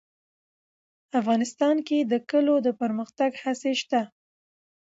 افغانستان کې د کلیو د پرمختګ هڅې شته.